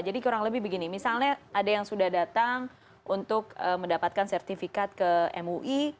jadi kurang lebih begini misalnya ada yang sudah datang untuk mendapatkan sertifikat ke mui